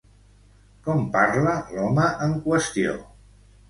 Com parla l'home en qüestió?